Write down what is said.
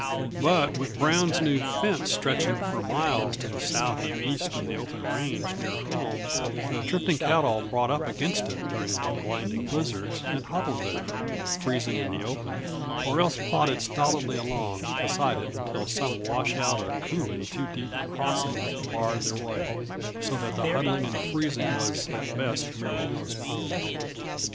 But with Brown's new fence stretching for miles to the south and east of the open range near home, the drifting cattle brought up against it during the blinding blizzards and huddled there, freezing in the open, or else plodded stolidly along beside it until some washout or coulée too deep for crossing barred their way, so that the huddling and freezing was at best merely postponed.